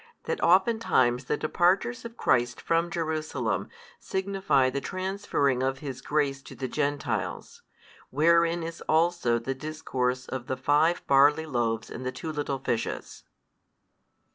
That oftentimes the departures of Christ from Jerusalem signify the transferring of His grace to the Gentiles: wherein is also the discourse of the five barley loaves and the two little fishes.